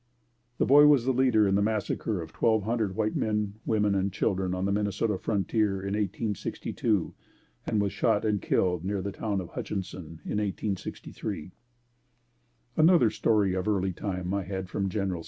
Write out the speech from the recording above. The boy was the leader in the massacre of twelve hundred white men, women and children on the Minnesota frontier in 1862 and was shot and killed near the town of Hutchinson in 1863. Another story of early time I had from Genl.